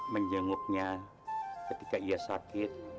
menjenguknya ketika ia sakit